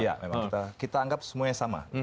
iya memang kita anggap semuanya sama